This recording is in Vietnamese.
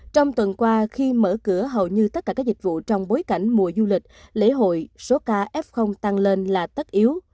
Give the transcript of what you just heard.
trong tuần qua khi mở cửa hầu như tất cả các dịch vụ trong bối cảnh mùa du lịch lễ hội số ca f tăng lên là tất yếu